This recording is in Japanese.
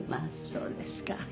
そうですか。